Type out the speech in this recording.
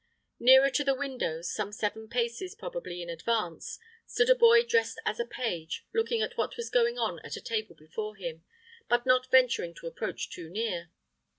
Nearer to the windows some seven paces probably in advance stood a boy dressed as a page, looking at what was going on at a table before him, but not venturing to approach too near.